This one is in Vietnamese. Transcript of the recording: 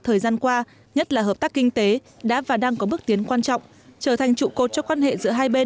thời gian qua nhất là hợp tác kinh tế đã và đang có bước tiến quan trọng trở thành trụ cột cho quan hệ giữa hai bên